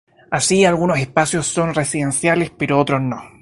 Así, algunos son espacios residenciales pero otros no.